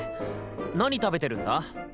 なに食べてるんだ？